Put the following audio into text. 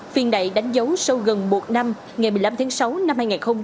phiên đại đánh dấu sau gần một năm ngày một mươi năm tháng sáu năm hai nghìn hai mươi ba